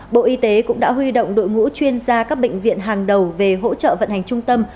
bộ y tế cũng đã huy động đội ngũ chuyên gia các bệnh viện hàng đầu về hỗ trợ vận hành trung tâm